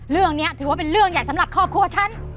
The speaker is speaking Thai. เรื่องนี้ถือว่าเป็นเรื่องใหญ่สำหรับครอบครัวฉัน